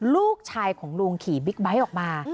ลูกชายของลุงขี่บิ๊กไบท์ออกมา